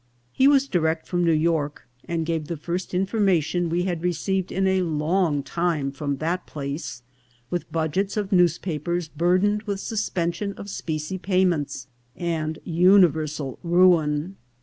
He was direct from New York, and gave the first information we had re ceived in a long time from that place, with budgets of newspapers, burdened with suspension of specie pay ments and universal ruin.